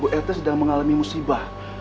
bu et sedang mengalami musibah